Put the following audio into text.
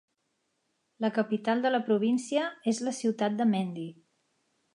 La capital de la província és la ciutat de Mendi.